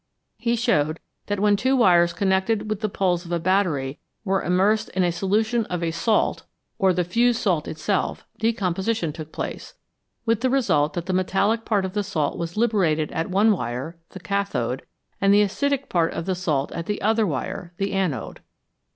He showed that when two wires connected with the poles of a battery were immersed in the solution of a salt or in 297 CHEMISTRY AND ELECTRICITY the fused salt itself, decomposition took place, with the result that the metallic part of the salt was liberated at one wire (the cathode), and the acidic part of the salt at the other wire (the anode).